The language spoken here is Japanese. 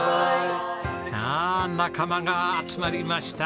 仲間が集まりました。